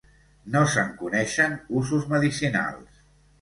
No se'n coneixen usos medicinals.